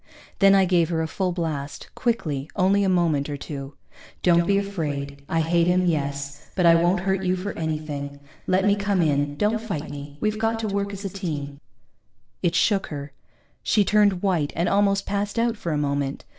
Then I gave her a full blast, quickly, only a moment or two. _Don't be afraid I hate him, yes, but I won't hurt you for anything. Let me come in, don't fight me. We've got to work as a team._ It shook her. She turned white and almost passed out for a moment.